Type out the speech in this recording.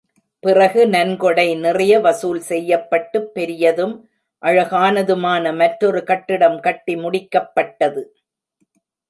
பிறகு நன்கொடை நிறைய வசூல் செய்யப்பட்டுப் பெரியதும், அழகானதுமான மற்றொரு கட்டிடம் கட்டி முடிக்கப்பட்டது.